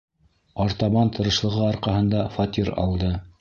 Артабан тырышлығы арҡаһында фатир алды.